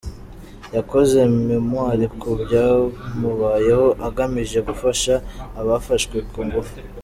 Yakoze ’memoir’ ku byamubayeho agamije gufasha abafashwe ku ngufu.